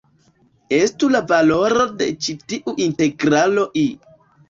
Estu la valoro de ĉi tiu integralo "I".